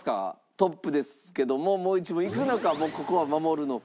トップですけどももう一問いくのかここは守るのか。